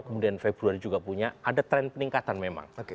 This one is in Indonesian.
kemudian februari juga punya ada tren peningkatan memang